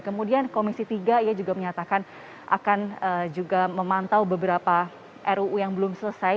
kemudian komisi tiga ia juga menyatakan akan juga memantau beberapa ruu yang belum selesai